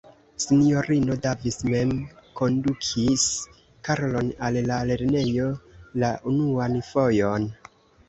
Sinjorino Davis mem kondukis Karlon al la lernejo la unuan fojon.